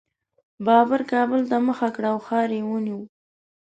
بابر کابل ته مخه کړه او ښار یې ونیو.